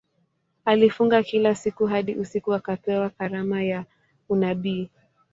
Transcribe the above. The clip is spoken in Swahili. Alifunga kila siku hadi usiku akapewa karama ya unabii.